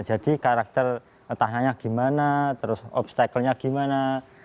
jadi karakter tanahnya gimana terus obstaclenya gimana